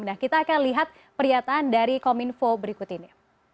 nah kita akan lihat pernyataan dari kominfo berikut ini